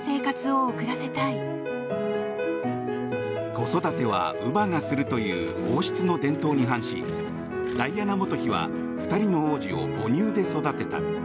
子育ては乳母がするという王室の伝統に反しダイアナ元妃は２人の王子を母乳で育てた。